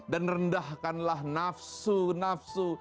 dan rendahkanlah nafsu nafsu